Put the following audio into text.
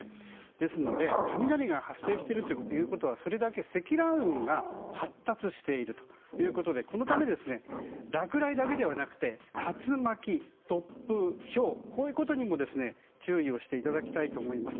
ですので雷が発生しているということはそれだけ積乱雲が発達しているということでこのため落雷だけではなくて竜巻、突風、ひょうこういうことにも注意をしていただきたいと思います。